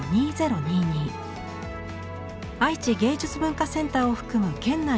愛知芸術文化センターを含む県内